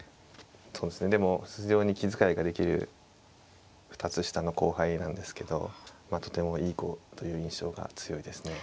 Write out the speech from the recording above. でも非常に気遣いができる２つ下の後輩なんですけどとてもいい子という印象が強いですね。